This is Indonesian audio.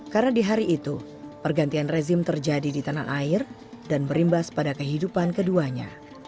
karena di hari itu pergantian rezim terjadi di tanah air dan berimbas pada kehidupan keduanya